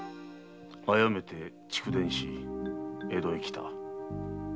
殺めて逐電し江戸へ来た。